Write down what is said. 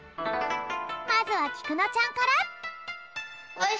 まずはきくのちゃんから。